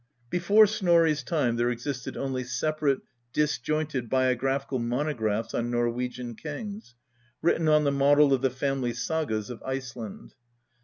" Before Snorri's time there existed only ... separate, disjointed biographical monographs on Norwegian kings, written on the model of the family sagas of Iceland.